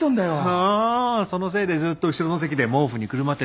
あーそのせいでずっと後ろの席で毛布にくるまって寝てたわけだ。